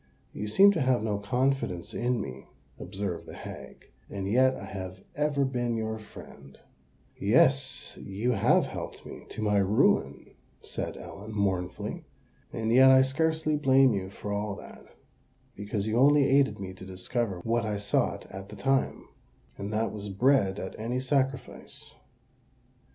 "You seem to have no confidence in me," observed the hag; "and yet I have ever been your friend." "Yes—you have helped me to my ruin," said Ellen, mournfully. "And yet I scarcely blame you for all that, because you only aided me to discover what I sought at the time—and that was bread at any sacrifice.